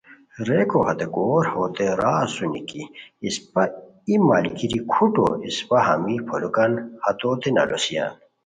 ریکو ہے کوؤر ہوتے را اسونی کی اسپہ ای ملگیری کھوٹو، اسپہ ہمی پھولوکان ہتوتین الوسیان